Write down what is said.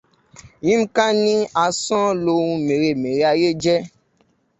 Yímká ni asán lohun mèremère ayé jẹ.